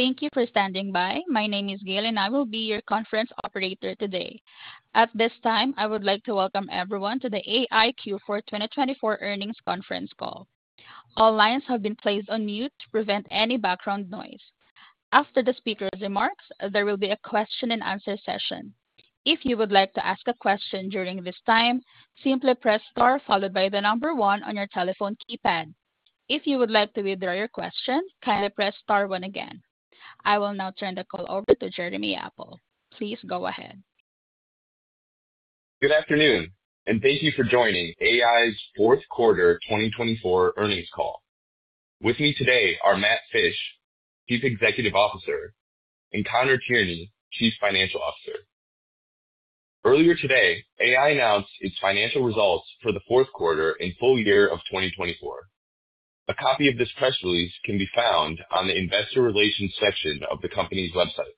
Thank you for standing by. My name is Gaile, and I will be your conference operator today. At this time, I would like to welcome everyone to the AEye Q4 2024 earnings conference call. All lines have been placed on mute to prevent any background noise. After the speaker's remarks, there will be a question-and-answer session. If you would like to ask a question during this time, simply press star followed by the number one on your telephone keypad. If you would like to withdraw your question, kindly press star one again. I will now turn the call over to Jeremy Apple. Please go ahead. Good afternoon, and thank you for joining AEye's fourth quarter 2024 earnings call. With me today are Matt Fisch, Chief Executive Officer, and Conor Tierney, Chief Financial Officer. Earlier today, AEye announced its financial results for the fourth quarter and full year of 2024. A copy of this press release can be found on the Investor Relations section of the company's website.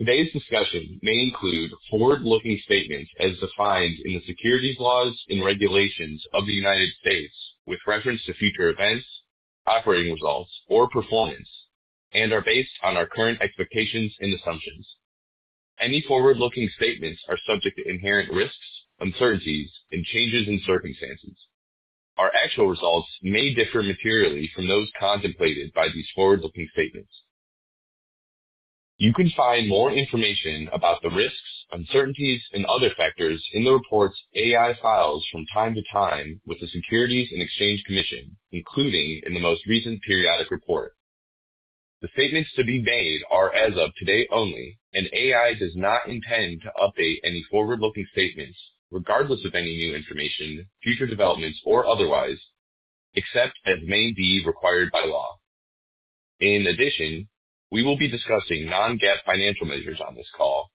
Today's discussion may include forward-looking statements as defined in the securities laws and regulations of the United States with reference to future events, operating results, or performance, and are based on our current expectations and assumptions. Any forward-looking statements are subject to inherent risks, uncertainties, and changes in circumstances. Our actual results may differ materially from those contemplated by these forward-looking statements. You can find more information about the risks, uncertainties, and other factors in the reports AEye files from time to time with the Securities and Exchange Commission, including in the most recent periodic report. The statements to be made are as of today only, and AEye does not intend to update any forward-looking statements regardless of any new information, future developments, or otherwise, except as may be required by law. In addition, we will be discussing non-GAAP financial measures on this call,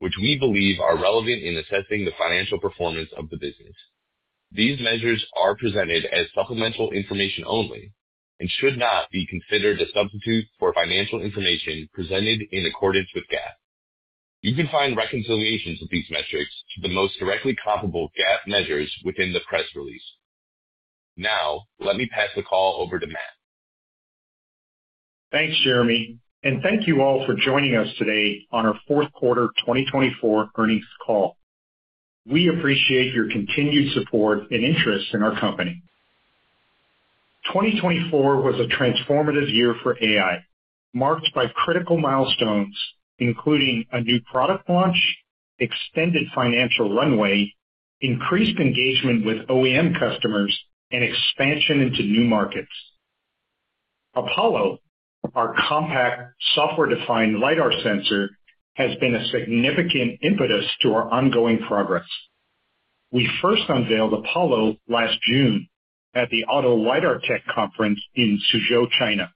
which we believe are relevant in assessing the financial performance of the business. These measures are presented as supplemental information only and should not be considered a substitute for financial information presented in accordance with GAAP. You can find reconciliations of these metrics to the most directly comparable GAAP measures within the press release. Now, let me pass the call over to Matt. Thanks, Jeremy, and thank you all for joining us today on our fourth quarter 2024 earnings call. We appreciate your continued support and interest in our company. 2024 was a transformative year for AEye, marked by critical milestones including a new product launch, extended financial runway, increased engagement with OEM customers, and expansion into new markets. Apollo, our compact software-defined LiDAR sensor, has been a significant impetus to our ongoing progress. We first unveiled Apollo last June at the Auto LiDAR Tech Conference in Suzhou, China.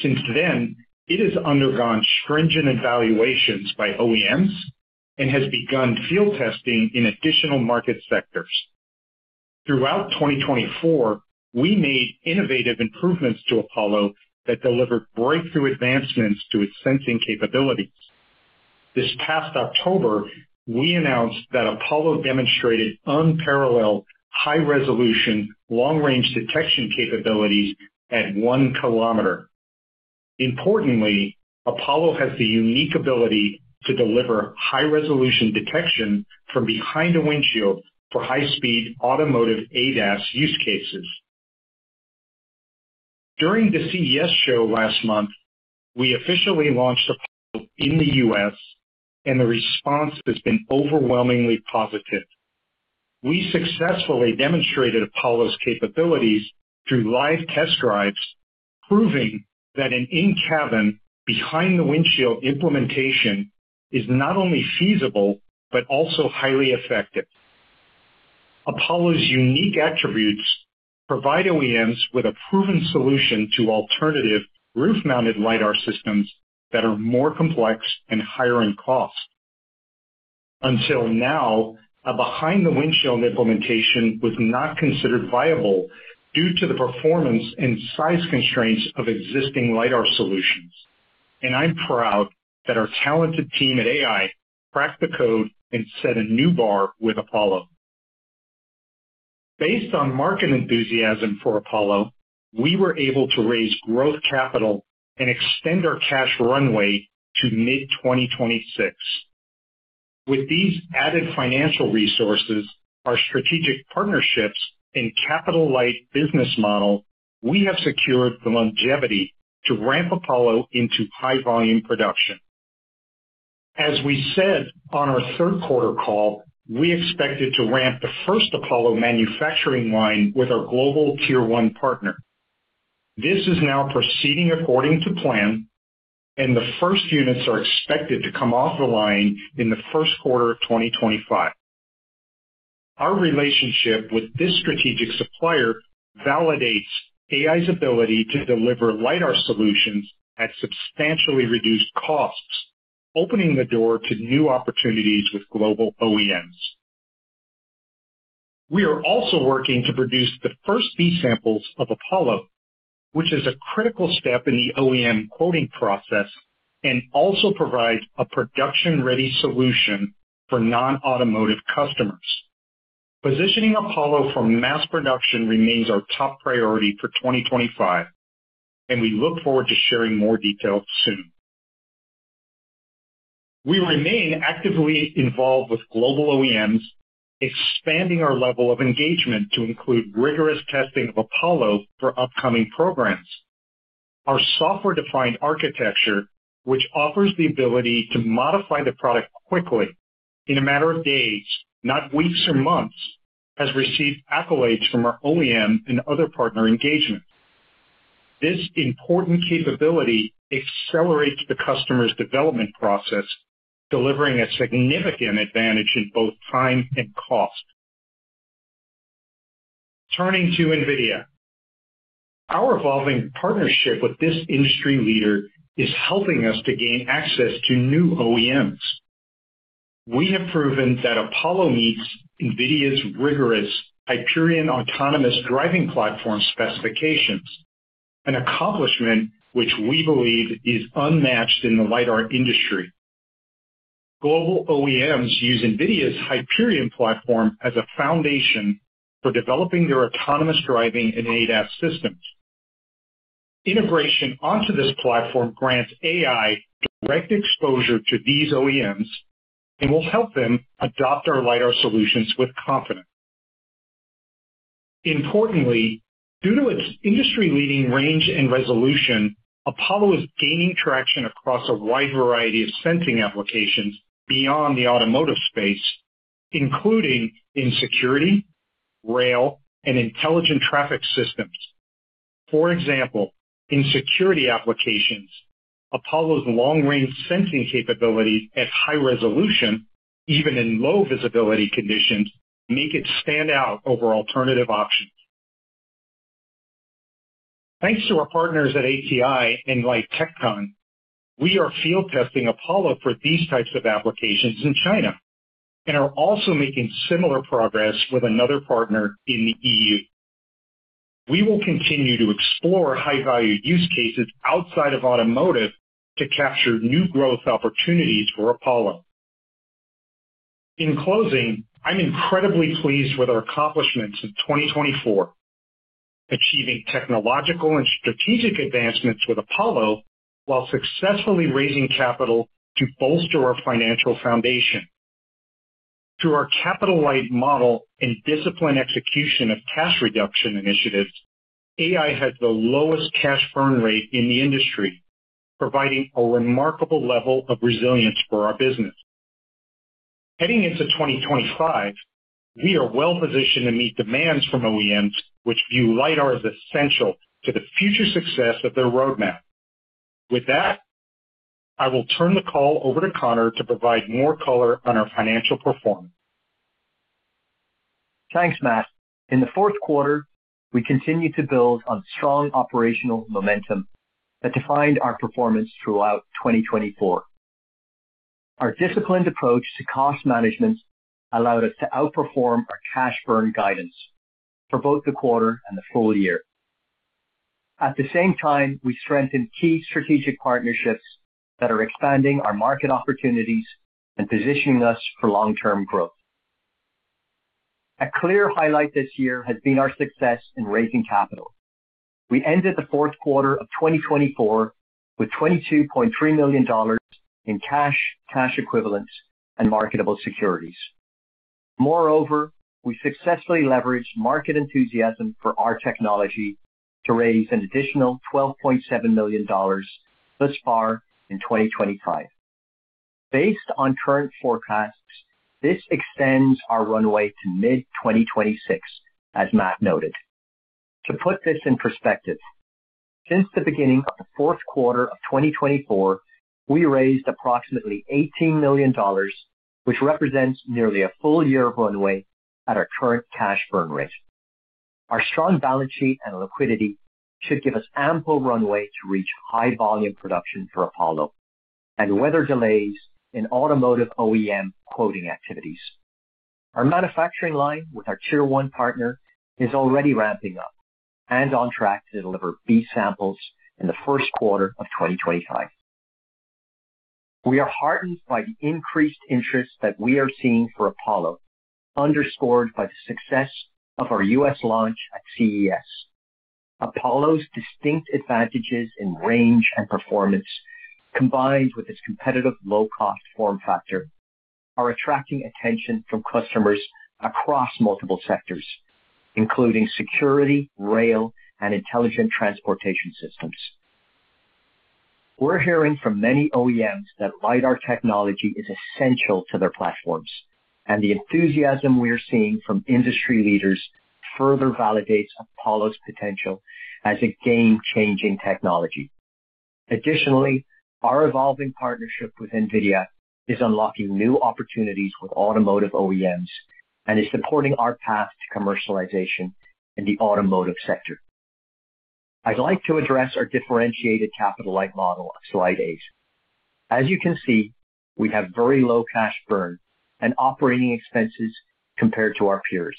Since then, it has undergone stringent evaluations by OEMs and has begun field testing in additional market sectors. Throughout 2024, we made innovative improvements to Apollo that delivered breakthrough advancements to its sensing capabilities. This past October, we announced that Apollo demonstrated unparalleled high-resolution long-range detection capabilities at one kilometer. Importantly, Apollo has the unique ability to deliver high-resolution detection from behind a windshield for high-speed automotive ADAS use cases. During the CES show last month, we officially launched Apollo in the U.S., and the response has been overwhelmingly positive. We successfully demonstrated Apollo's capabilities through live test drives, proving that an in-cabin, behind-the-windshield implementation is not only feasible but also highly effective. Apollo's unique attributes provide OEMs with a proven solution to alternative roof-mounted LiDAR systems that are more complex and higher in cost. Until now, a behind-the-windshield implementation was not considered viable due to the performance and size constraints of existing LiDAR solutions, and I'm proud that our talented team at AEye cracked the code and set a new bar with Apollo. Based on market enthusiasm for Apollo, we were able to raise growth capital and extend our cash runway to mid-2026. With these added financial resources, our strategic partnerships, and capital-light business model, we have secured the longevity to ramp Apollo into high-volume production. As we said on our third quarter call, we expected to ramp the first Apollo manufacturing line with our global Tier 1 partner. This is now proceeding according to plan, and the first units are expected to come off the line in the first quarter of 2025. Our relationship with this strategic supplier validates AEye's ability to deliver LiDAR solutions at substantially reduced costs, opening the door to new opportunities with global OEMs. We are also working to produce the first B samples of Apollo, which is a critical step in the OEM quoting process and also provides a production-ready solution for non-automotive customers. Positioning Apollo for mass production remains our top priority for 2025, and we look forward to sharing more details soon. We remain actively involved with global OEMs, expanding our level of engagement to include rigorous testing of Apollo for upcoming programs. Our software-defined architecture, which offers the ability to modify the product quickly in a matter of days, not weeks or months, has received accolades from our OEM and other partner engagements. This important capability accelerates the customer's development process, delivering a significant advantage in both time and cost. Turning to NVIDIA, our evolving partnership with this industry leader is helping us to gain access to new OEMs. We have proven that Apollo meets NVIDIA's rigorous Hyperion Autonomous Driving Platform specifications, an accomplishment which we believe is unmatched in the LiDAR industry. Global OEMs use NVIDIA's Hyperion platform as a foundation for developing their autonomous driving and ADAS systems. Integration onto this platform grants AI direct exposure to these OEMs and will help them adopt our LiDAR solutions with confidence. Importantly, due to its industry-leading range and resolution, Apollo is gaining traction across a wide variety of sensing applications beyond the automotive space, including in security, rail, and intelligent traffic systems. For example, in security applications, Apollo's long-range sensing capabilities at high resolution, even in low visibility conditions, make it stand out over alternative options. Thanks to our partners at ATI and LITEON, we are field testing Apollo for these types of applications in China and are also making similar progress with another partner in the EU. We will continue to explore high-value use cases outside of automotive to capture new growth opportunities for Apollo. In closing, I'm incredibly pleased with our accomplishments in 2024, achieving technological and strategic advancements with Apollo while successfully raising capital to bolster our financial foundation. Through our capital-light model and disciplined execution of cash reduction initiatives, AEye has the lowest cash burn rate in the industry, providing a remarkable level of resilience for our business. Heading into 2025, we are well-positioned to meet demands from OEMs, which view LiDAR as essential to the future success of their roadmap. With that, I will turn the call over to Conor to provide more color on our financial performance. Thanks, Matt. In the fourth quarter, we continue to build on strong operational momentum that defined our performance throughout 2024. Our disciplined approach to cost management allowed us to outperform our cash burn guidance for both the quarter and the full year. At the same time, we strengthened key strategic partnerships that are expanding our market opportunities and positioning us for long-term growth. A clear highlight this year has been our success in raising capital. We ended the fourth quarter of 2024 with $22.3 million in cash, cash equivalents, and marketable securities. Moreover, we successfully leveraged market enthusiasm for our technology to raise an additional $12.7 million thus far in 2025. Based on current forecasts, this extends our runway to mid-2026, as Matt noted. To put this in perspective, since the beginning of the fourth quarter of 2024, we raised approximately $18 million, which represents nearly a full year of runway at our current cash burn rate. Our strong balance sheet and liquidity should give us ample runway to reach high-volume production for Apollo and weather delays in automotive OEM quoting activities. Our manufacturing line with our Tier 1 partner is already ramping up and on track to deliver B samples in the first quarter of 2025. We are heartened by the increased interest that we are seeing for Apollo, underscored by the success of our U.S. launch at CES. Apollo's distinct advantages in range and performance, combined with its competitive low-cost form factor, are attracting attention from customers across multiple sectors, including security, rail, and intelligent transportation systems. We're hearing from many OEMs that LiDAR technology is essential to their platforms, and the enthusiasm we are seeing from industry leaders further validates Apollo's potential as a game-changing technology. Additionally, our evolving partnership with NVIDIA is unlocking new opportunities with automotive OEMs and is supporting our path to commercialization in the automotive sector. I'd like to address our differentiated capital-light model on slide eight. As you can see, we have very low cash burn and operating expenses compared to our peers,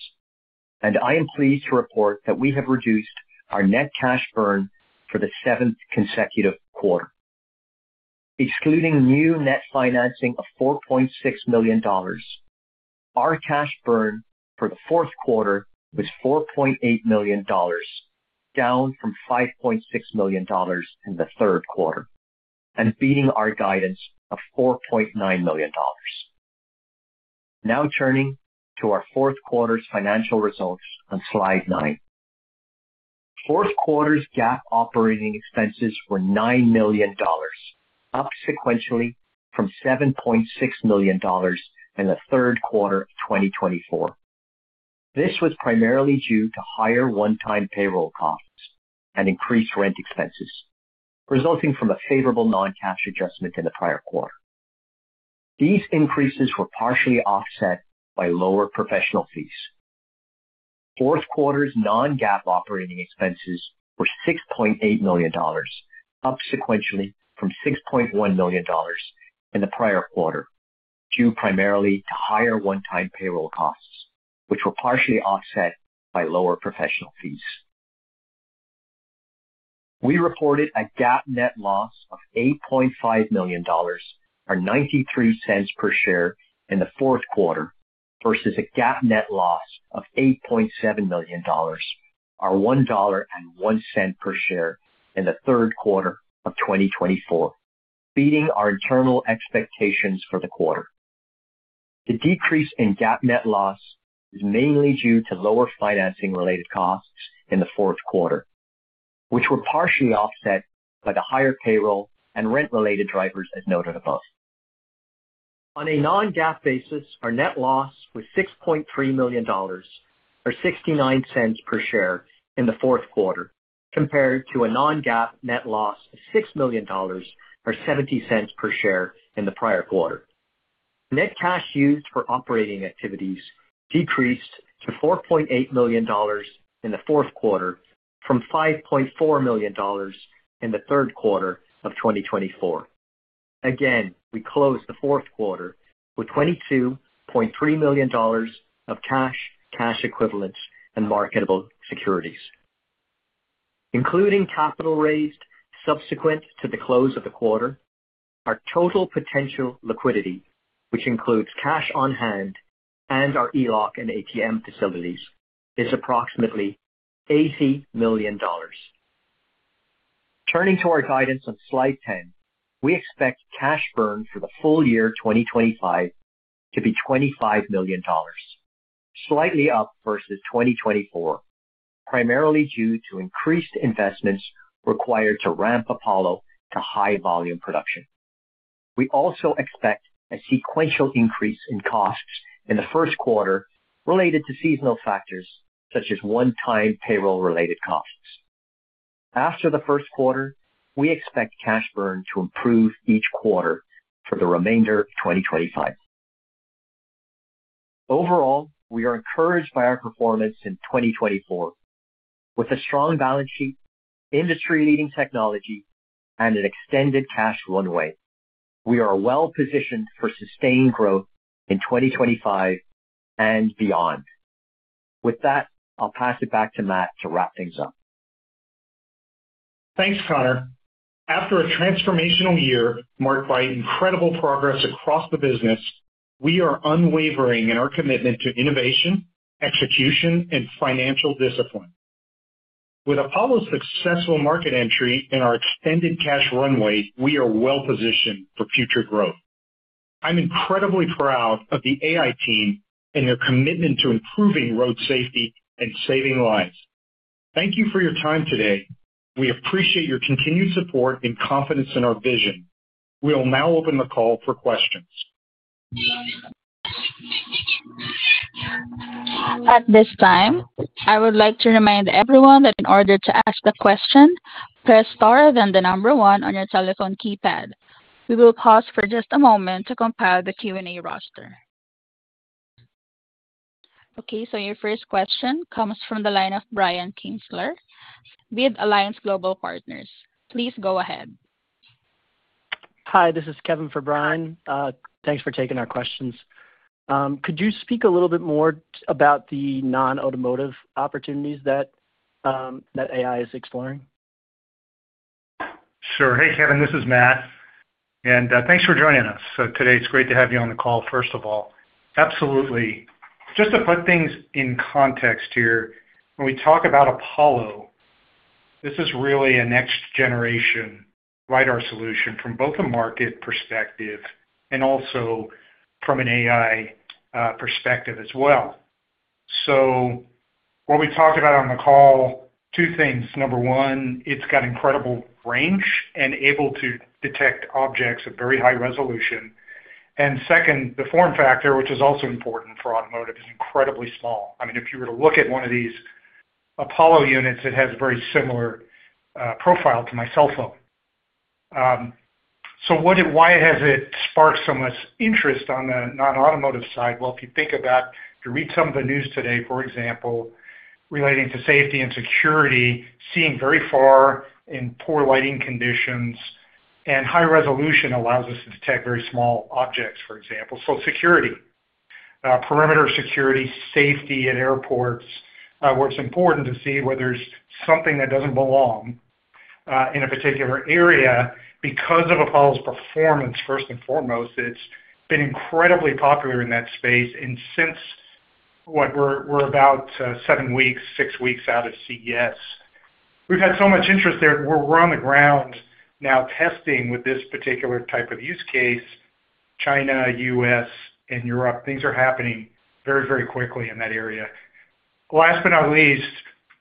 and I am pleased to report that we have reduced our net cash burn for the seventh consecutive quarter. Excluding new net financing of $4.6 million, our cash burn for the fourth quarter was $4.8 million, down from $5.6 million in the third quarter, and beating our guidance of $4.9 million. Now turning to our fourth quarter's financial results on slide nine. Fourth quarter's GAAP operating expenses were $9 million, up sequentially from $7.6 million in the third quarter of 2024. This was primarily due to higher one-time payroll costs and increased rent expenses resulting from a favorable non-cash adjustment in the prior quarter. These increases were partially offset by lower professional fees. Fourth quarter's non-GAAP operating expenses were $6.8 million, up sequentially from $6.1 million in the prior quarter, due primarily to higher one-time payroll costs, which were partially offset by lower professional fees. We reported a GAAP net loss of $8.5 million, or $0.93 per share in the fourth quarter, versus a GAAP net loss of $8.7 million, or $1.01 per share in the third quarter of 2024, beating our internal expectations for the quarter. The decrease in GAAP net loss is mainly due to lower financing-related costs in the fourth quarter, which were partially offset by the higher payroll and rent-related drivers, as noted above. On a non-GAAP basis, our net loss was $6.3 million, or $0.69 per share in the fourth quarter, compared to a non-GAAP net loss of $6 million, or $0.70 per share in the prior quarter. Net cash used for operating activities decreased to $4.8 million in the fourth quarter from $5.4 million in the third quarter of 2024. Again, we closed the fourth quarter with $22.3 million of cash, cash equivalents, and marketable securities. Including capital raised subsequent to the close of the quarter, our total potential liquidity, which includes cash on hand and our ELOC and ATM facilities, is approximately $80 million. Turning to our guidance on slide 10, we expect cash burn for the full year 2025 to be $25 million, slightly up versus 2024, primarily due to increased investments required to ramp Apollo to high-volume production. We also expect a sequential increase in costs in the first quarter related to seasonal factors such as one-time payroll-related costs. After the first quarter, we expect cash burn to improve each quarter for the remainder of 2025. Overall, we are encouraged by our performance in 2024. With a strong balance sheet, industry-leading technology, and an extended cash runway, we are well-positioned for sustained growth in 2025 and beyond. With that, I'll pass it back to Matt to wrap things up. Thanks, Conor. After a transformational year marked by incredible progress across the business, we are unwavering in our commitment to innovation, execution, and financial discipline. With Apollo's successful market entry and our extended cash runway, we are well-positioned for future growth. I'm incredibly proud of the AEye team and their commitment to improving road safety and saving lives. Thank you for your time today. We appreciate your continued support and confidence in our vision. We'll now open the call for questions. At this time, I would like to remind everyone that in order to ask a question, press star then the number one on your telephone keypad. We will pause for just a moment to compile the Q&A roster. Okay, your first question comes from the line of Brian Kinstlinger with Alliance Global Partners. Please go ahead. Hi, this is Kevin for Brian. Thanks for taking our questions. Could you speak a little bit more about the non-automotive opportunities that AEye is exploring? Sure. Hey, Kevin, this is Matt. Thanks for joining us. Today it's great to have you on the call, first of all. Absolutely. Just to put things in context here, when we talk about Apollo, this is really a next-generation LiDAR solution from both a market perspective and also from an AI perspective as well. What we talked about on the call, two things. Number one, it's got incredible range and able to detect objects at very high resolution. Second, the form factor, which is also important for automotive, is incredibly small. I mean, if you were to look at one of these Apollo units, it has a very similar profile to my cell phone. Why has it sparked so much interest on the non-automotive side? If you think about, if you read some of the news today, for example, relating to safety and security, seeing very far in poor lighting conditions and high resolution allows us to detect very small objects, for example. Security, perimeter security, safety at airports, where it's important to see whether there's something that doesn't belong in a particular area. Because of Apollo's performance, first and foremost, it's been incredibly popular in that space. Since what, we're about seven weeks, six weeks out of CES, we've had so much interest there. We're on the ground now testing with this particular type of use case. China, U.S., and Europe, things are happening very, very quickly in that area. Last but not least,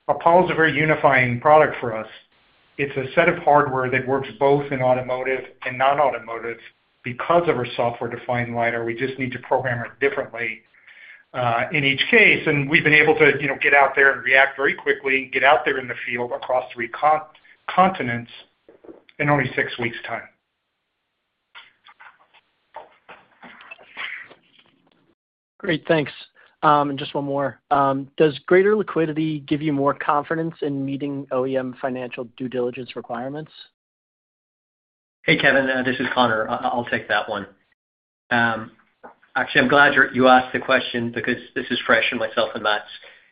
Apollo is a very unifying product for us. It's a set of hardware that works both in automotive and non-automotive. Because of our software-defined LiDAR, we just need to program it differently in each case. We have been able to get out there and react very quickly, get out there in the field across three continents in only six weeks' time. Great, thanks. Just one more. Does greater liquidity give you more confidence in meeting OEM financial due diligence requirements? Hey, Kevin, this is Conor. I'll take that one. Actually, I'm glad you asked the question because this is fresh in myself and Matt's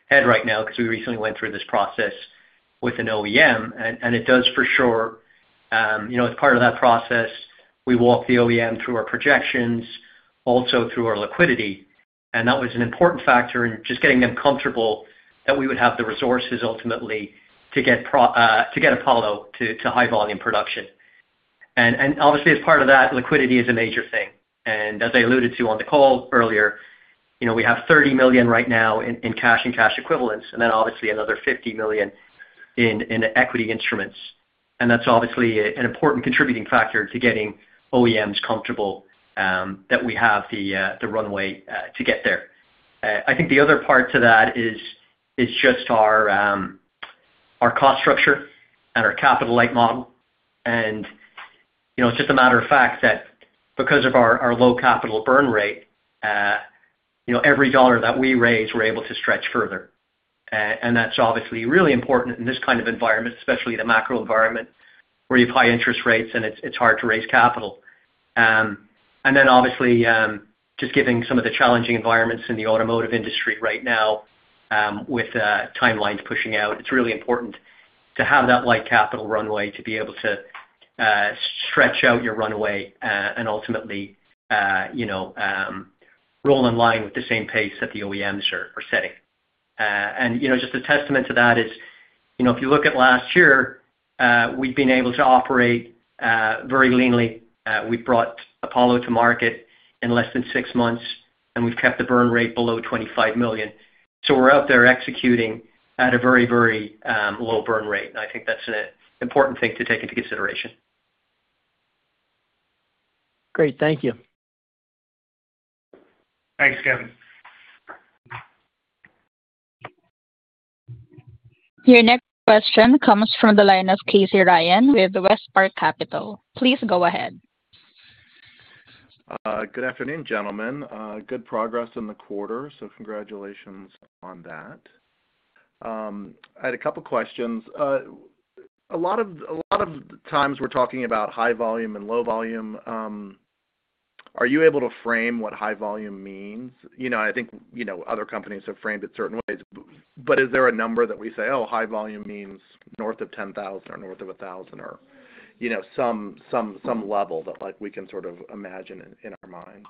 head right now because we recently went through this process with an OEM. It does for sure. As part of that process, we walk the OEM through our projections, also through our liquidity. That was an important factor in just getting them comfortable that we would have the resources ultimately to get Apollo to high-volume production. Obviously, as part of that, liquidity is a major thing. As I alluded to on the call earlier, we have $30 million right now in cash and cash equivalents, and then obviously another $50 million in equity instruments. That's obviously an important contributing factor to getting OEMs comfortable that we have the runway to get there. I think the other part to that is just our cost structure and our capital-light model. It's just a matter of fact that because of our low capital burn rate, every dollar that we raise, we're able to stretch further. That's obviously really important in this kind of environment, especially the macro environment where you have high interest rates and it's hard to raise capital. Obviously, just given some of the challenging environments in the automotive industry right now with timelines pushing out, it's really important to have that light capital runway to be able to stretch out your runway and ultimately roll in line with the same pace that the OEMs are setting. Just a testament to that is if you look at last year, we've been able to operate very leanly. We've brought Apollo to market in less than six months, and we've kept the burn rate below $25 million. We're out there executing at a very, very low burn rate. I think that's an important thing to take into consideration. Great, thank you. Thanks, Kevin. Your next question comes from the line of Casey Ryan with WestPark Capital. Please go ahead. Good afternoon, gentlemen. Good progress in the quarter, so congratulations on that. I had a couple of questions. A lot of times we're talking about high volume and low volume. Are you able to frame what high volume means? I think other companies have framed it certain ways. Is there a number that we say, "Oh, high volume means north of 10,000 or north of 1,000," or some level that we can sort of imagine in our minds?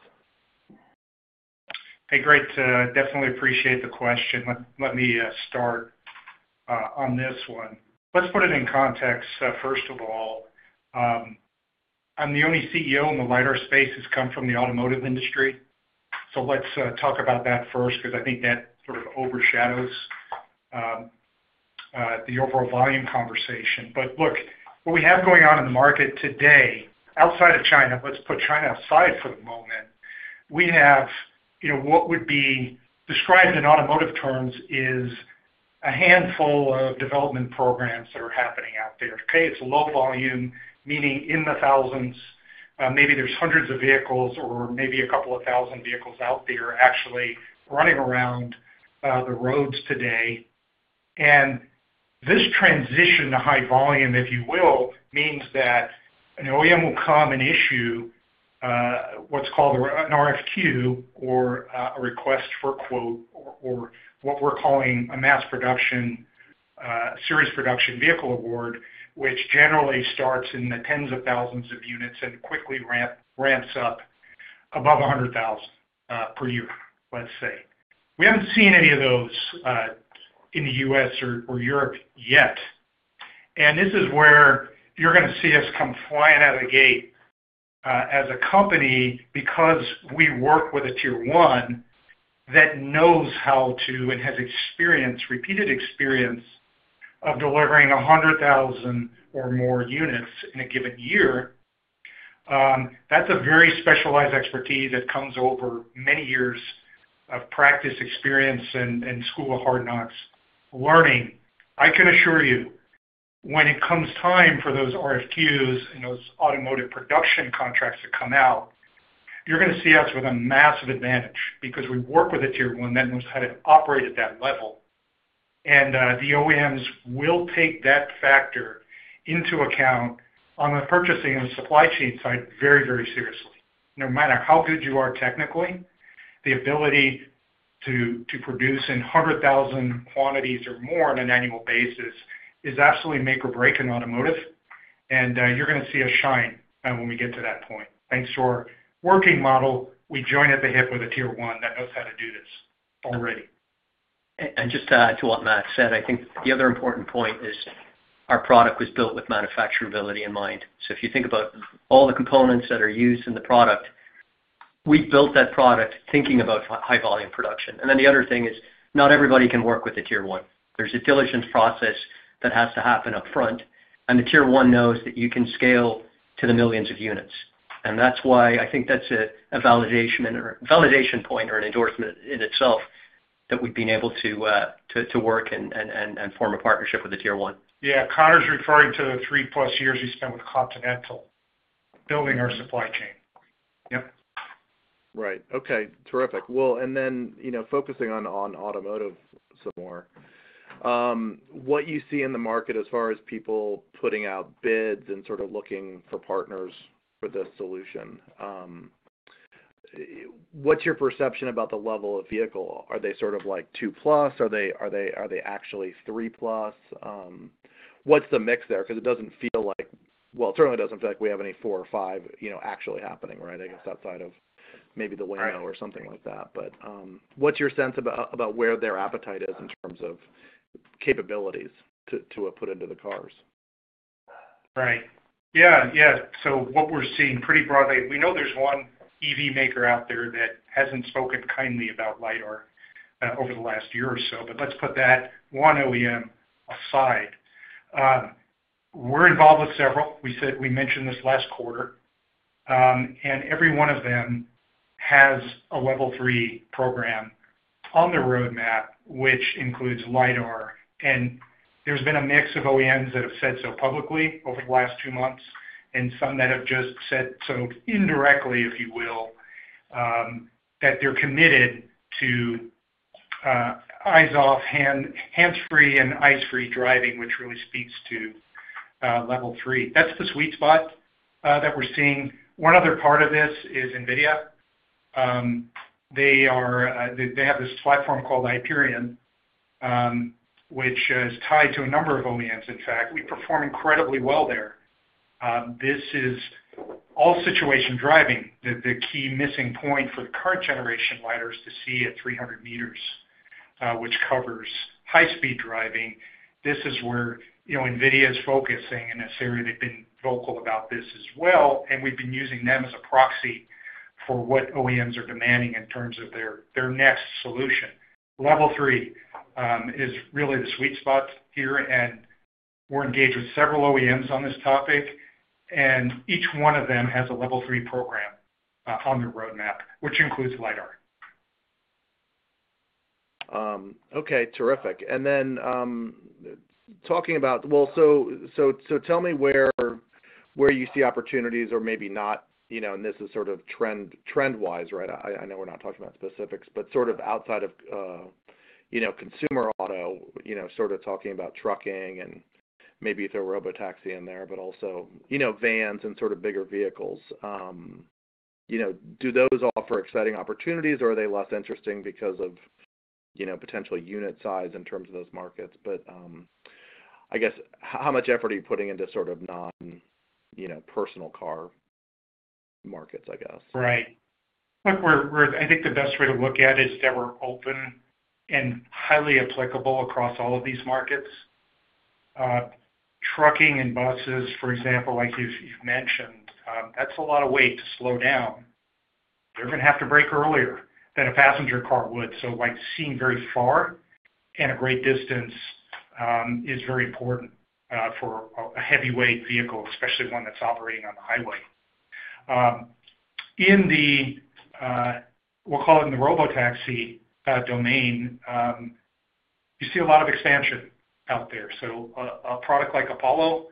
Hey, great. Definitely appreciate the question. Let me start on this one. Let's put it in context. First of all, I'm the only CEO in the LiDAR space that's come from the automotive industry. Let's talk about that first because I think that sort of overshadows the overall volume conversation. Look, what we have going on in the market today, outside of China, let's put China aside for the moment, we have what would be described in automotive terms as a handful of development programs that are happening out there. It's low volume, meaning in the thousands. Maybe there's hundreds of vehicles or maybe a couple of thousand vehicles out there actually running around the roads today. This transition to high volume, if you will, means that an OEM will come and issue what's called an RFQ or a request for a quote or what we're calling a mass production, series production vehicle award, which generally starts in the tens of thousands of units and quickly ramps up above 100,000 per year, let's say. We haven't seen any of those in the U.S. or Europe yet. This is where you're going to see us come flying out of the gate as a company because we work with a tier one that knows how to and has experience, repeated experience of delivering 100,000 or more units in a given year. That's a very specialized expertise that comes over many years of practice, experience, and school of hard knocks learning. I can assure you, when it comes time for those RFQs and those automotive production contracts to come out, you're going to see us with a massive advantage because we work with a tier one that knows how to operate at that level. The OEMs will take that factor into account on the purchasing and supply chain side very, very seriously. No matter how good you are technically, the ability to produce in 100,000 quantities or more on an annual basis is absolutely make or break in automotive. You're going to see us shine when we get to that point. Thanks to our working model, we join at the hip with a tier one that knows how to do this already. Just to what Matt said, I think the other important point is our product was built with manufacturability in mind. If you think about all the components that are used in the product, we built that product thinking about high volume production. The other thing is not everybody can work with a tier one. There is a diligence process that has to happen upfront. The tier one knows that you can scale to the millions of units. That is why I think that is a validation point or an endorsement in itself that we have been able to work and form a partnership with a tier one. Yeah, Conor's referring to the three-plus years we spent with Continental building our supply chain. Yep. Right. Okay. Terrific. Focusing on automotive some more, what do you see in the market as far as people putting out bids and sort of looking for partners for this solution? What's your perception about the level of vehicle? Are they sort of like two-plus? Are they actually three-plus? What's the mix there? It doesn't feel like, well, it certainly doesn't feel like we have any four or five actually happening, right, I guess, outside of maybe the window or something like that. What's your sense about where their appetite is in terms of capabilities to put into the cars? Right. Yeah, yeah. What we're seeing pretty broadly, we know there's one EV maker out there that hasn't spoken kindly about LiDAR over the last year or so, but let's put that one OEM aside. We're involved with several. We mentioned this last quarter. Every one of them has Level 3 program on their roadmap, which includes LiDAR. There's been a mix of OEMs that have said so publicly over the last two months and some that have just said so indirectly, if you will, that they're committed to eyes-off, hands-free, and eyes-free driving, which really speaks Level 3. that's the sweet spot that we're seeing. One other part of this is NVIDIA. They have this platform called Hyperion, which is tied to a number of OEMs, in fact. We perform incredibly well there. This is all situation driving. The key missing point for the current generation LiDARs to see at 300 meters, which covers high-speed driving. This is where NVIDIA is focusing in this area. They've been vocal about this as well. We've been using them as a proxy for what OEMs are demanding in terms of their next Level 3 is really the sweet spot here. We're engaged with several OEMs on this topic. Each one of them has Level 3 program on their roadmap, which includes LiDAR. Okay. Terrific. Talking about, tell me where you see opportunities or maybe not. This is sort of trend-wise, right? I know we're not talking about specifics, but sort of outside of consumer auto, sort of talking about trucking and maybe throw a robotaxi in there, but also vans and sort of bigger vehicles. Do those offer exciting opportunities, or are they less interesting because of potential unit size in terms of those markets? I guess, how much effort are you putting into sort of non-personal car markets, I guess? Right. I think the best way to look at it is that we're open and highly applicable across all of these markets. Trucking and buses, for example, like you've mentioned, that's a lot of weight to slow down. They're going to have to brake earlier than a passenger car would. Seeing very far and a great distance is very important for a heavyweight vehicle, especially one that's operating on the highway. In the, we'll call it in the robotaxi domain, you see a lot of expansion out there. A product like Apollo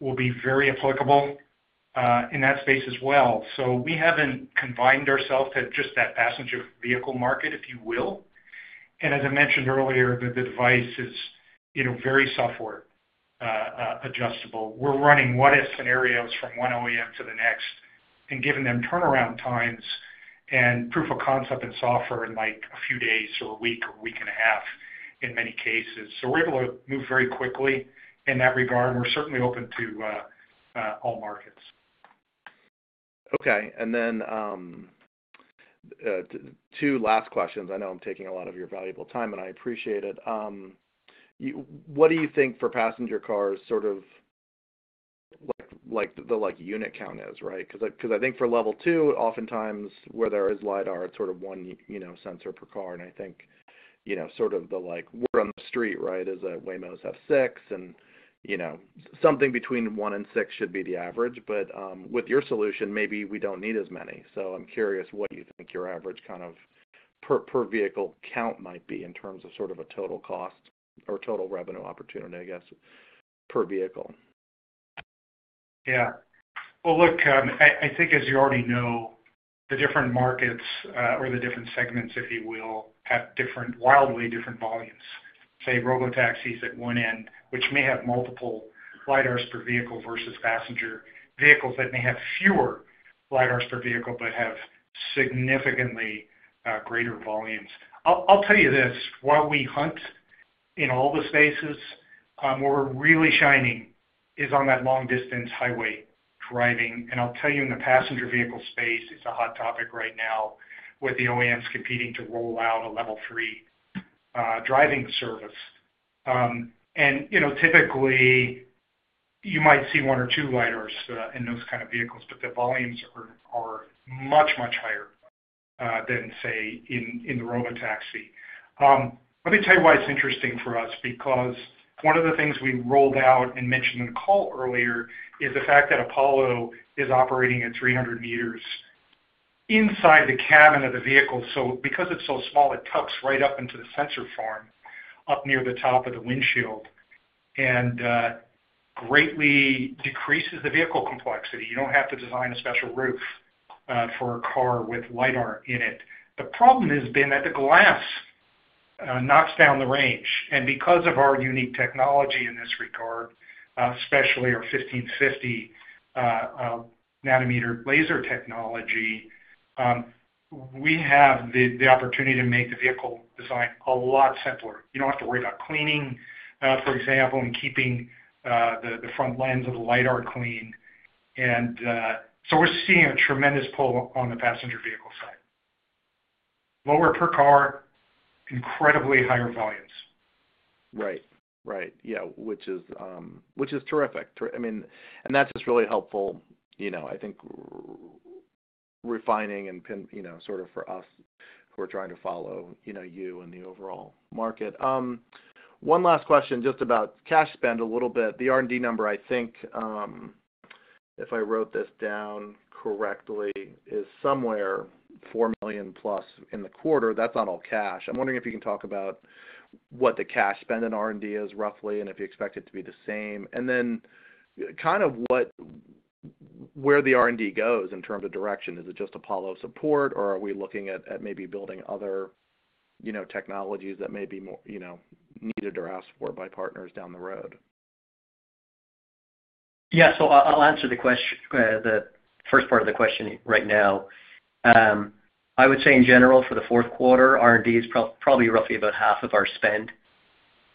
will be very applicable in that space as well. We haven't confined ourselves to just that passenger vehicle market, if you will. As I mentioned earlier, the device is very software adjustable. We're running what-if scenarios from one OEM to the next and giving them turnaround times and proof of concept and software in like a few days or a week or a week and a half in many cases. We are able to move very quickly in that regard. We are certainly open to all markets. Okay. Two last questions. I know I'm taking a lot of your valuable time, and I appreciate it. What do you think for passenger cars sort of the unit count is, right? I think for Level 2, oftentimes where there is LiDAR, it's sort of one sensor per car. I think sort of the word on the street, right, is that Waymo's have six, and something between one and six should be the average. With your solution, maybe we don't need as many. I'm curious what you think your average kind of per vehicle count might be in terms of sort of a total cost or total revenue opportunity, I guess, per vehicle. Yeah. Look, I think as you already know, the different markets or the different segments, if you will, have wildly different volumes. Say robotaxis at one end, which may have multiple LiDARs per vehicle versus passenger vehicles that may have fewer LiDARs per vehicle but have significantly greater volumes. I'll tell you this. While we hunt in all the spaces, where we're really shining is on that long-distance highway driving. I'll tell you, in the passenger vehicle space, it's a hot topic right now with the OEMs competing to roll out Level 3 driving service. Typically, you might see one or two LiDARs in those kind of vehicles, but the volumes are much, much higher than, say, in the robotaxi. Let me tell you why it's interesting for us, because one of the things we rolled out and mentioned in the call earlier is the fact that Apollo is operating at 300 meters inside the cabin of the vehicle. Because it's so small, it tucks right up into the sensor farm up near the top of the windshield and greatly decreases the vehicle complexity. You don't have to design a special roof for a car with LiDAR in it. The problem has been that the glass knocks down the range. Because of our unique technology in this regard, especially our 1550 nanometer laser technology, we have the opportunity to make the vehicle design a lot simpler. You don't have to worry about cleaning, for example, and keeping the front lens of the LiDAR clean. We're seeing a tremendous pull on the passenger vehicle side. Lower per car, incredibly higher volumes. Right, right. Yeah, which is terrific. I mean, and that's just really helpful, I think, refining and sort of for us who are trying to follow you and the overall market. One last question just about cash spend a little bit. The R&D number, I think, if I wrote this down correctly, is somewhere $4 million plus in the quarter. That's not all cash. I'm wondering if you can talk about what the cash spend in R&D is roughly and if you expect it to be the same. Then kind of where the R&D goes in terms of direction. Is it just Apollo support, or are we looking at maybe building other technologies that may be needed or asked for by partners down the road? Yeah. I'll answer the first part of the question right now. I would say, in general, for the fourth quarter, R&D is probably roughly about half of our spend.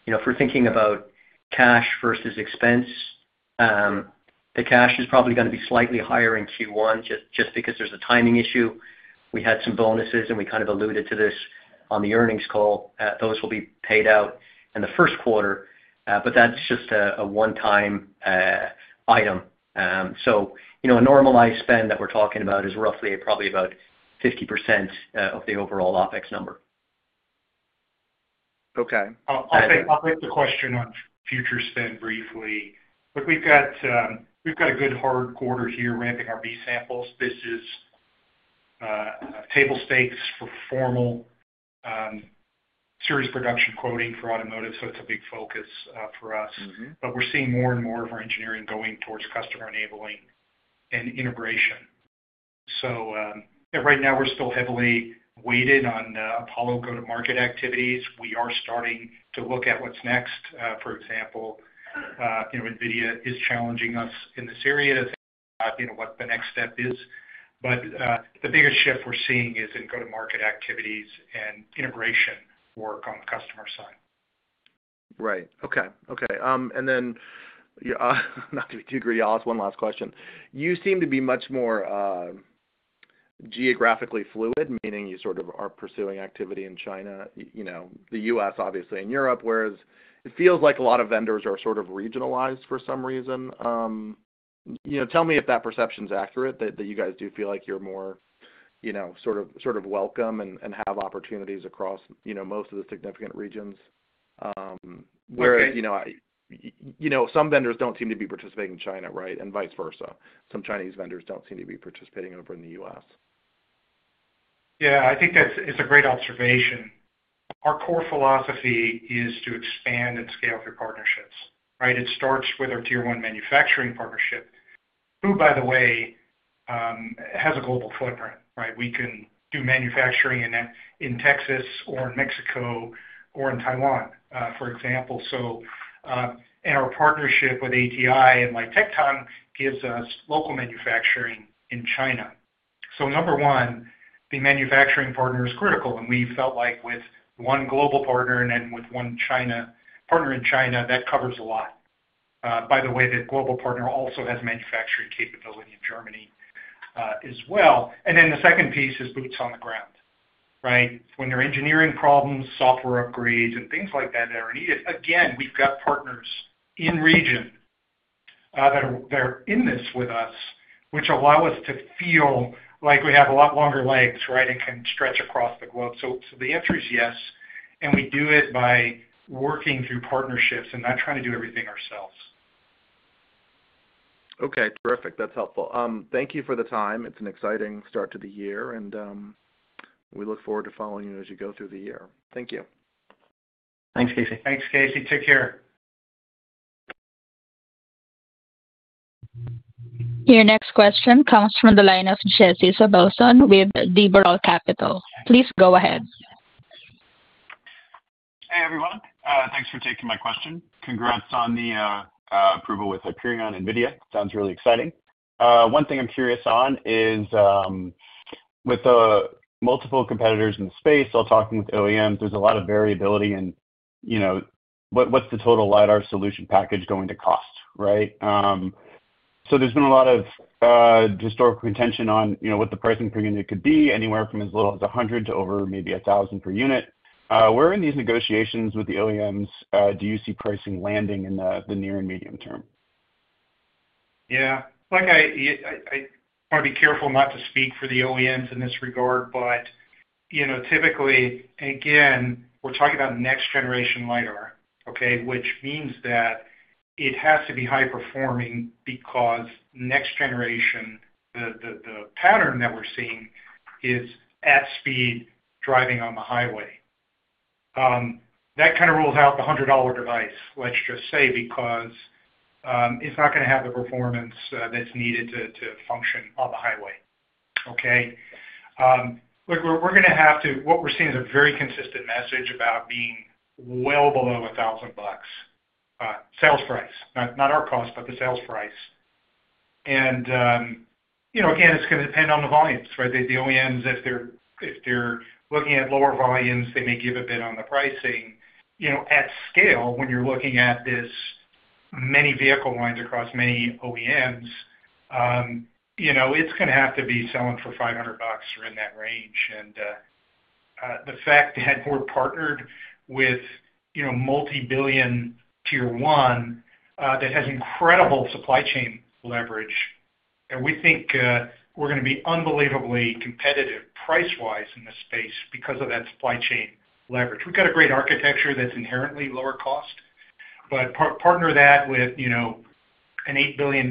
If we're thinking about cash versus expense, the cash is probably going to be slightly higher in Q1 just because there's a timing issue. We had some bonuses, and we kind of alluded to this on the earnings call. Those will be paid out in the first quarter, but that's just a one-time item. A normalized spend that we're talking about is roughly probably about 50% of the overall OpEx number. Okay. I'll take the question on future spend briefly. Look, we've got a good hard quarter here ramping our B samples. This is table stakes for formal series production quoting for automotive, so it's a big focus for us. We're seeing more and more of our engineering going towards customer enabling and integration. Right now, we're still heavily weighted on Apollo go-to-market activities. We are starting to look at what's next. For example, NVIDIA is challenging us in this area to think about what the next step is. The biggest shift we're seeing is in go-to-market activities and integration work on the customer side. Right. Okay. Okay. Not to be too grievous, one last question. You seem to be much more geographically fluid, meaning you sort of are pursuing activity in China, the U.S., obviously, and Europe, whereas it feels like a lot of vendors are sort of regionalized for some reason. Tell me if that perception is accurate, that you guys do feel like you're more sort of welcome and have opportunities across most of the significant regions, where some vendors don't seem to be participating in China, right, and vice versa. Some Chinese vendors don't seem to be participating over in the U.S. Yeah. I think it's a great observation. Our core philosophy is to expand and scale through partnerships, right? It starts with our tier one manufacturing partnership, who, by the way, has a global footprint, right? We can do manufacturing in Texas or in Mexico or in Taiwan, for example. Our partnership with ATI and LITEON gives us local manufacturing in China. Number one, the manufacturing partner is critical. We felt like with one global partner and then with one China partner in China, that covers a lot. By the way, the global partner also has manufacturing capability in Germany as well. The second piece is boots on the ground, right? When there are engineering problems, software upgrades, and things like that that are needed, again, we've got partners in region that are in this with us, which allow us to feel like we have a lot longer legs, right, and can stretch across the globe. The answer is yes. We do it by working through partnerships and not trying to do everything ourselves. Okay. Terrific. That's helpful. Thank you for the time. It's an exciting start to the year. We look forward to following you as you go through the year. Thank you. Thanks, Casey. Thanks, Casey. Take care. Your next question comes from the line of Jesse Sobelson with D Boral Capital. Please go ahead. Hey, everyone. Thanks for taking my question. Congrats on the approval with Hyperion and NVIDIA. Sounds really exciting. One thing I'm curious on is with multiple competitors in the space, all talking with OEMs, there's a lot of variability in what's the total LiDAR solution package going to cost, right? There's been a lot of historical contention on what the pricing per unit could be, anywhere from as little as $100 to over maybe $1,000 per unit. Where in these negotiations with the OEMs do you see pricing landing in the near and medium term? Yeah. I want to be careful not to speak for the OEMs in this regard, but typically, again, we're talking about next-generation LiDAR, okay, which means that it has to be high-performing because next-generation, the pattern that we're seeing is at speed driving on the highway. That kind of rules out the $100 device, let's just say, because it's not going to have the performance that's needed to function on the highway, okay? Look, we're going to have to what we're seeing is a very consistent message about being well below $1,000 sales price. Not our cost, but the sales price. Again, it's going to depend on the volumes, right? The OEMs, if they're looking at lower volumes, they may give a bit on the pricing. At scale, when you're looking at this many vehicle lines across many OEMs, it's going to have to be selling for $500 or in that range. The fact that we're partnered with a multi-billion dollar tier one that has incredible supply chain leverage, we think we're going to be unbelievably competitive price-wise in this space because of that supply chain leverage. We've got a great architecture that's inherently lower cost, but partner that with an $8 billion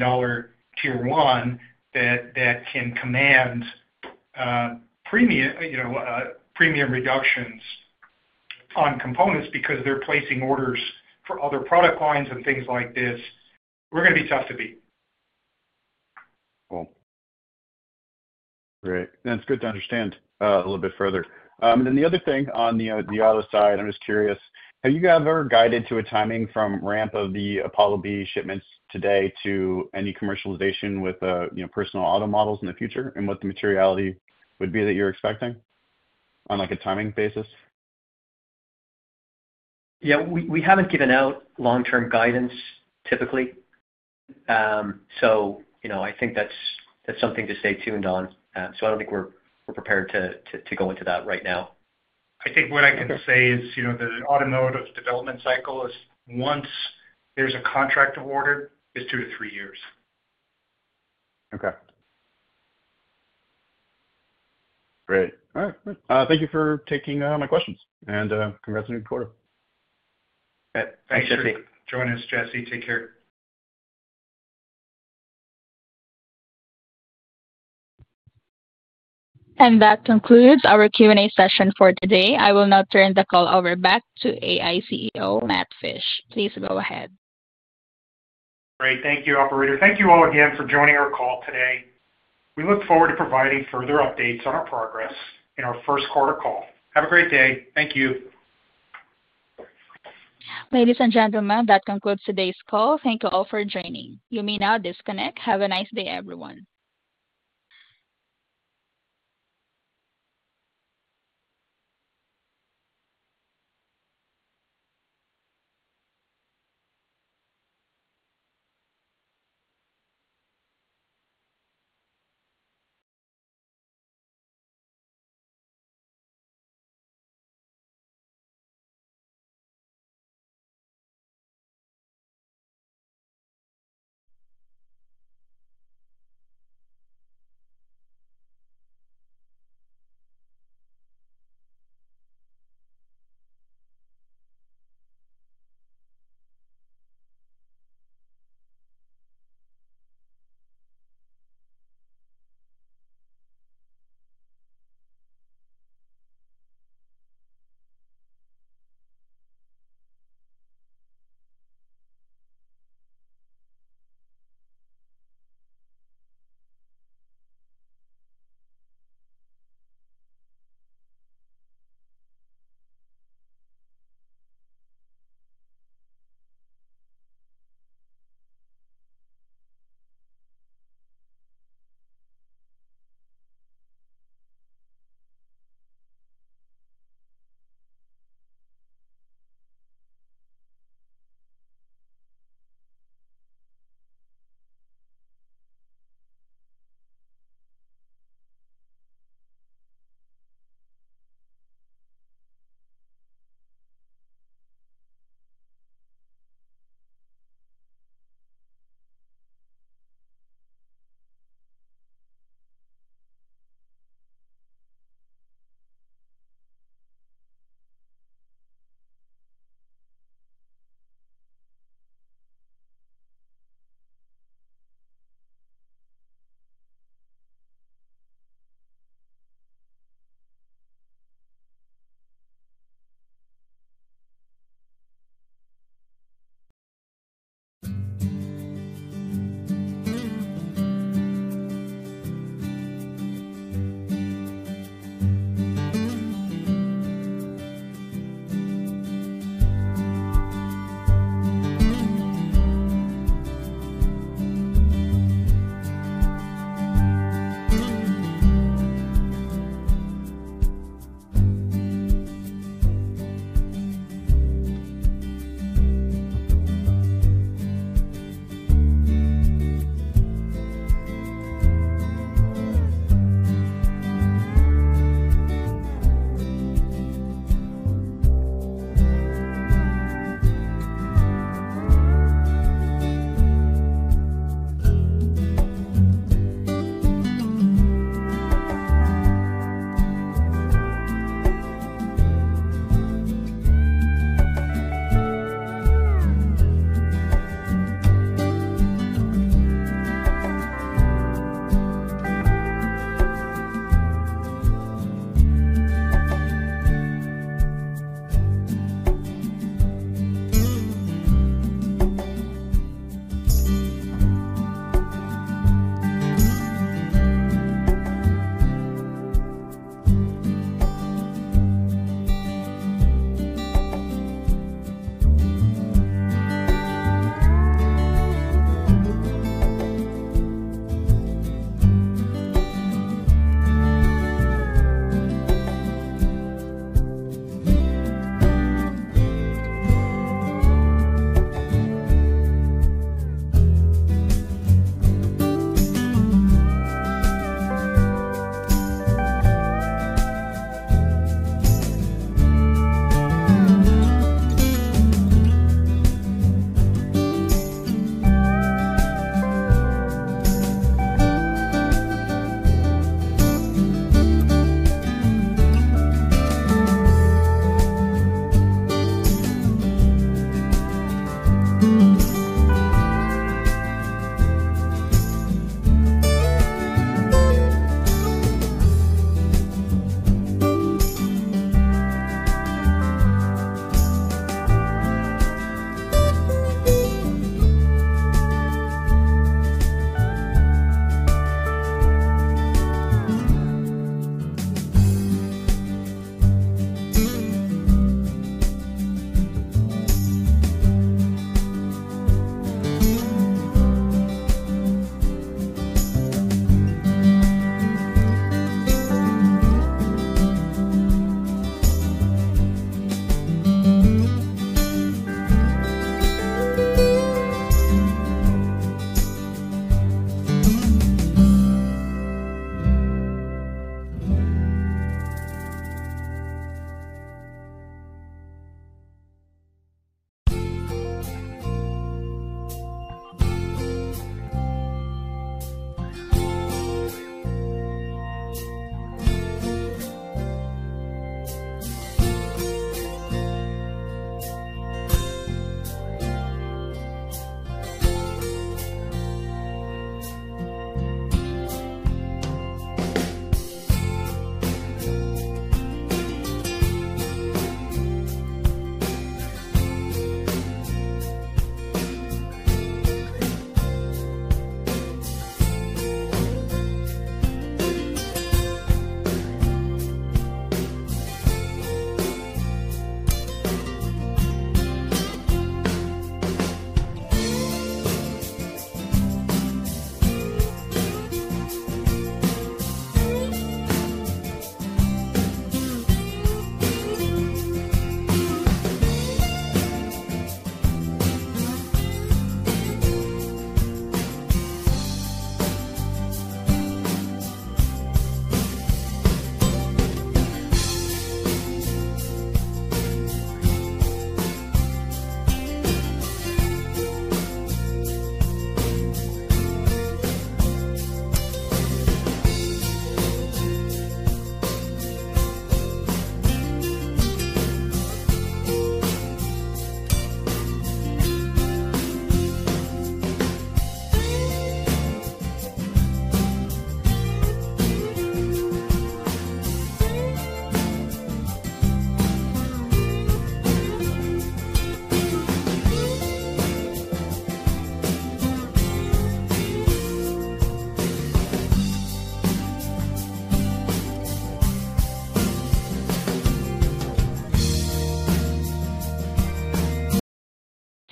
tier one that can command premium reductions on components because they're placing orders for other product lines and things like this. We're going to be tough to beat. Cool. Great. That's good to understand a little bit further. The other thing on the auto side, I'm just curious, have you ever guided to a timing from ramp of the Apollo B shipments today to any commercialization with personal auto models in the future and what the materiality would be that you're expecting on a timing basis? Yeah. We haven't given out long-term guidance typically. I think that's something to stay tuned on. I don't think we're prepared to go into that right now. I think what I can say is the automotive development cycle, once there's a contract awarded, is two to three years. Okay. Great. All right. Thank you for taking my questions. Congrats on your quarter. Thanks, Jesse. Join us, Jesse. Take care. That concludes our Q&A session for today. I will now turn the call over back to AEye CEO Matt Fisch. Please go ahead. Great. Thank you, Operator. Thank you all again for joining our call today. We look forward to providing further updates on our progress in our first quarter call. Have a great day. Thank you. Ladies and gentlemen, that concludes today's call. Thank you all for joining. You may now disconnect. Have a nice day, everyone.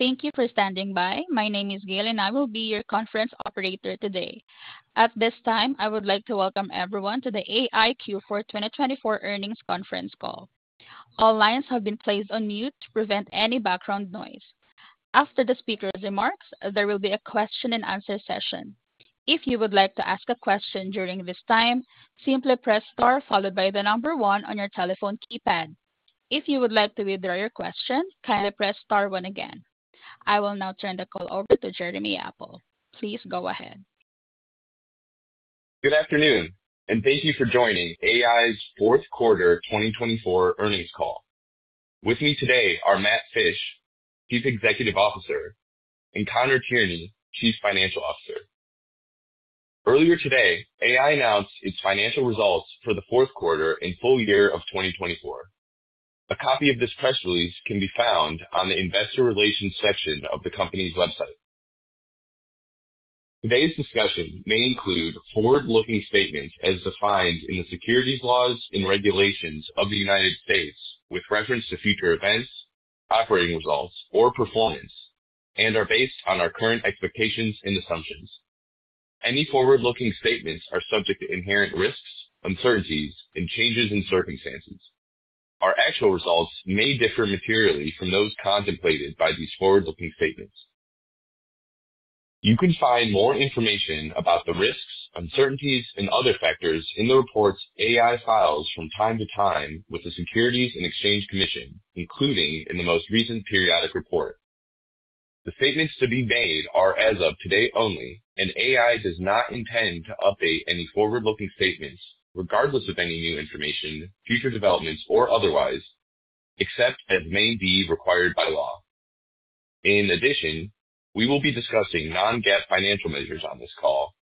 Thank you for standing by. My name is Gaile, and I will be your conference operator today. At this time, I would like to welcome everyone to the AEye Q4 2024 Earnings Conference Call. All lines have been placed on mute to prevent any background noise. After the speaker's remarks, there will be a question-and-answer session. If you would like to ask a question during this time, simply press star followed by the number one on your telephone keypad. If you would like to withdraw your question, kindly press star one again. I will now turn the call over to Jeremy Apple. Please go ahead. Good afternoon, and thank you for joining AEye's Fourth Quarter 2024 Earnings Call. With me today are Matt Fisch, Chief Executive Officer, and Conor Tierney, Chief Financial Officer. Earlier today, AEye announced its financial results for the fourth quarter and full year of 2024. A copy of this press release can be found on the Investor Relations section of the company's website. Today's discussion may include forward-looking statements as defined in the securities laws and regulations of the United States with reference to future events, operating results, or performance, and are based on our current expectations and assumptions. Any forward-looking statements are subject to inherent risks, uncertainties, and changes in circumstances. Our actual results may differ materially from those contemplated by these forward-looking statements. You can find more information about the risks, uncertainties, and other factors in the reports AEye files from time to time with the Securities and Exchange Commission, including in the most recent periodic report. The statements to be made are as of today only, and AEye does not intend to update any forward-looking statements regardless of any new information, future developments, or otherwise, except as may be required by law. In addition, we will be discussing non-GAAP financial measures on this call,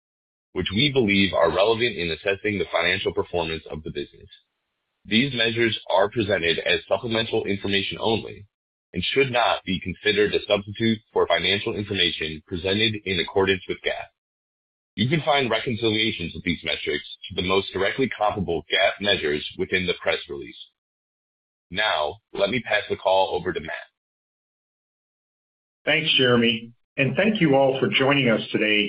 which we believe are relevant in assessing the financial performance of the business. These measures are presented as supplemental information only and should not be considered a substitute for financial information presented in accordance with GAAP. You can find reconciliations of these metrics to the most directly comparable GAAP measures within the press release. Now, let me pass the call over to Matt. Thanks, Jeremy. Thank you all for joining us today.